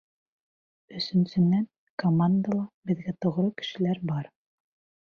Өсөнсөнән, командала беҙгә тоғро кешеләр бар.